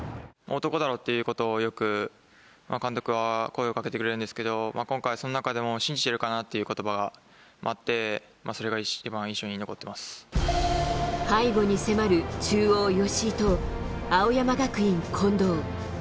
男だろということをよく、監督は声をかけてくれるんですけど、今回、その中でも信じてるからということばがあって、それが背後に迫る中央、吉居と青山学院、近藤。